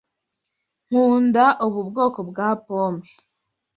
Nkunda ubu bwoko bwa pome.